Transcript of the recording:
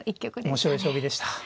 面白い将棋でした。